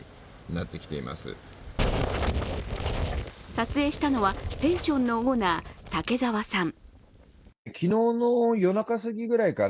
撮影したのはペンションのオーナー・竹澤さん。